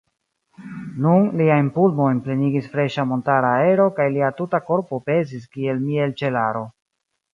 Nun liajn pulmojn plenigis freŝa montara aero kaj lia tuta korpo pezis kiel mielĉelaro.